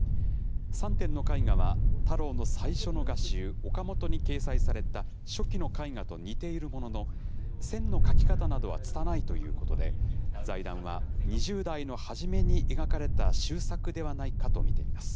３点の絵画は太郎の最初の画集、ＯＫＡＭＯＴＯに掲載された初期の絵画と似ているものの、線の描き方などはつたないということで、財団は、２０代の初めに描かれた習作ではないかと見ています。